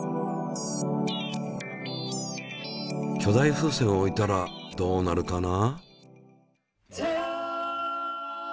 巨大風船を置いたらどうなるかな？